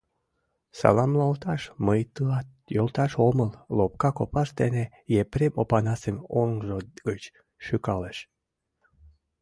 Саламлалташ мый тылат йолташ омыл, — лопка копаж дене Епрем Опанасым оҥжо гыч шӱкалеш.